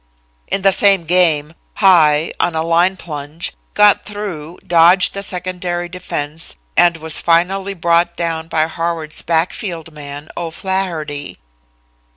In the same game, High, on a line plunge, got through, dodged the secondary defense and was finally brought down by Harvard's backfield man, O'Flaherty.